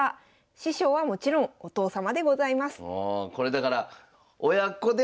師匠はもちろんお父様でございます。